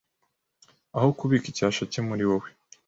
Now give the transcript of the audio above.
aho kubika icyasha cye muri wowe”